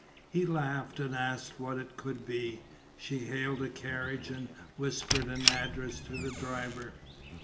He laughed and asked what it could be. She hailed a carriage and whispered an address to the driver.